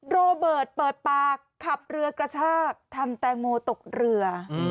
โรเบิร์ตเปิดปากขับเรือกระชากทำแตงโมตกเรือ